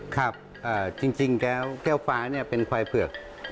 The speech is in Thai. ครับจริงแล้วแก้วฟ้าเป็นควายเผือก